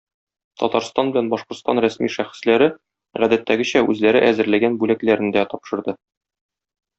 Татарстан белән Башкортстан рәсми шәхесләре, гадәттәгечә, үзләре әзерләгән бүләкләрне дә тапшырды.